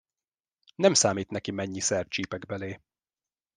Nem számít neki mennyiszer csípek belé.